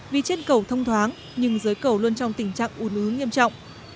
vì trên cầu thông thoáng nhưng giới cầu luôn trong tình trạng ủn ứ nghiêm trọng